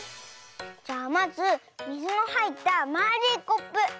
じゃまずみずのはいったまあるいコップ。